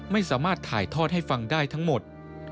ไม่สามารถถ่ายทอดให้ฟังได้ทั้งหมด